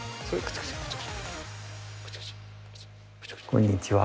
こんにちは。